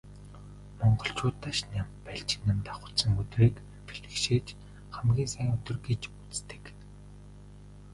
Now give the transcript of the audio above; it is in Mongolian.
Монголчууд Дашням, Балжинням давхацсан өдрийг бэлгэшээж хамгийн сайн өдөр гэж үздэг.